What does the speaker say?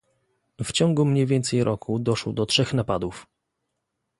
W ciągu mniej więcej roku doszło do trzech napadów